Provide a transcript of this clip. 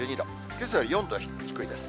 けさより４度低いです。